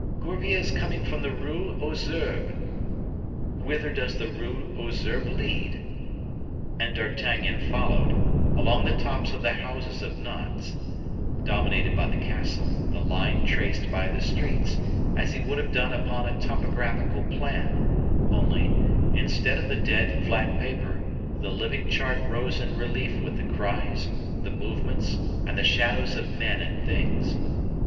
Gourville is coming from the Rue aux Herbes. Whither does the Rue aux Herbes lead?" And D'Artagnan followed, along the tops of the houses of Nantes, dominated by the castle, the line traced by the streets, as he would have done upon a topographical plan; only, instead of the dead, flat paper, the living chart rose in relief with the cries, the movements, and the shadows of men and things.